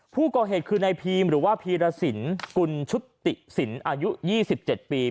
ผู้ก่อเหตุคือนายพีมหรือว่าพีรสินกุลชุติศิลป์อายุ๒๗ปี